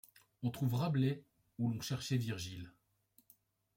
On trouve Rabelais, où l'on cherchait Virgile.